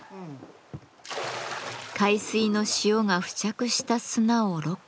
海水の塩が付着した砂をろ過。